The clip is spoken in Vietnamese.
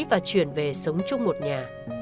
và chuyển về sống chung một nhà